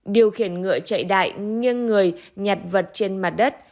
điều khiển ngựa chạy đại nghiêng người nhặt vật trên mặt đất